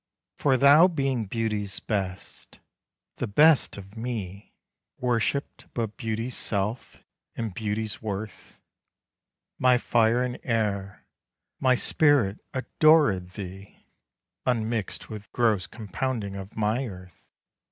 For, thou being Beauty's best, the best of me Worshipp'd but Beauty's self and Beauty's worth; My fire and air, my spirit, adorèd thee Unmix'd with gross compounding of my earth.